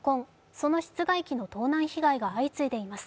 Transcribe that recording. その室外機の盗難被害が相次いでいます。